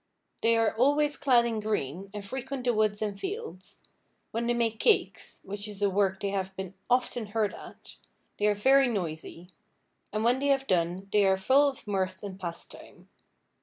They are always clad in green, and frequent the woods and fields; when they make cakes (which is a work they have been often heard at) they are very noisy; and when they have done, they are full of mirth and pastime.